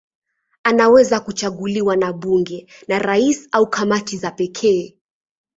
Anaweza kuchaguliwa na bunge, na rais au kamati za pekee.